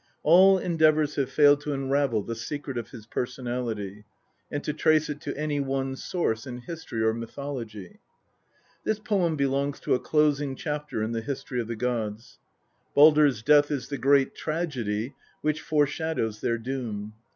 All endeavours have failed to unravel the secret of his personality, and to trace it to any one source in history or mythology. This poem belongs to a closing chapter in the history of the gods. Baldr's death is the great tragedy which foreshadows their Doom.